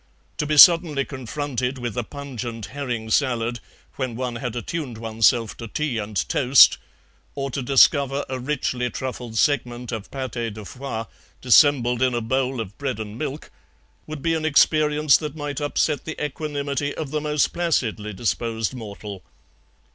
To be suddenly confronted with a pungent herring salad when one had attuned oneself to tea and toast, or to discover a richly truffled segment of PATÉ DE FOIE dissembled in a bowl of bread and milk, would be an experience that might upset the equanimity of the most placidly disposed mortal.